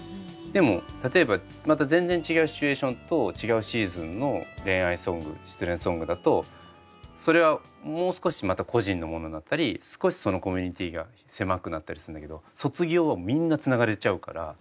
でも例えばまた全然違うシチュエーションと違うシーズンの恋愛ソング失恋ソングだとそれはもう少しまた個人のものになったり少しそのコミュニティーが狭くなったりするんだけど卒業はみんなつながれちゃうから。